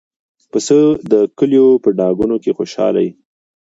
پسه د کلیو په ډاګونو کې خوشحال وي.